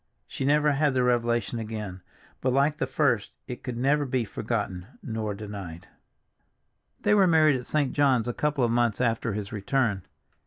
She never had the revelation again, but like the first it could never be forgotten nor denied. III THEY were married at St. John's a couple of months after his return.